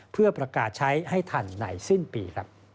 เพื่อประกาศใช้ให้ทันในสิ้นปี